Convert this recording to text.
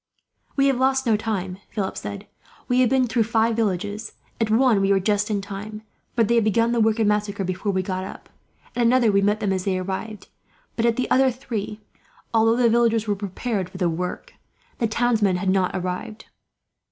"We have lost no time," Philip said. "We have been through five villages. At one we were just in time, for they had begun the work of massacre, before we got up. At another, we met them as they arrived. But at the other three, although the villagers were prepared for the work, the townsmen had not arrived."